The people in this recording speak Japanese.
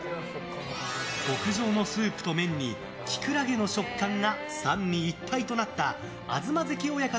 極上のスープと麺にキクラゲの食感が三位一体となった東関親方